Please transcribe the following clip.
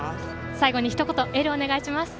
最後にひと言エールをお願いします。